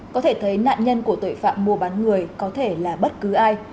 có thể thấy nạn nhân của tội phạm mua bán người có thể là bất cứ ai